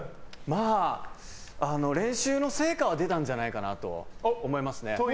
練習の成果は出たんじゃないかなと。